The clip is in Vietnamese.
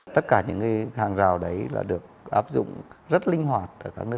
tất cả những cái hàng rào đấy là được áp dụng rất linh hoạt